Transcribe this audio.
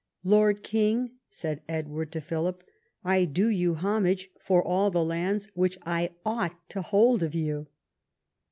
"Lord King," said Edward to Philip, "I do you homage for all the lands which I ought to hold of you."